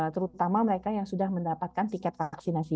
terutama mereka yang sudah mendapatkan tiket vaksinasi